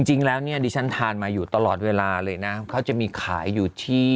จริงแล้วเนี่ยดิฉันทานมาอยู่ตลอดเวลาเลยนะเขาจะมีขายอยู่ที่